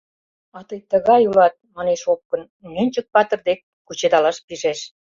— А тый тыгай улат! — манеш Опкын, Нӧнчык-патыр дек кучедалаш пижеш.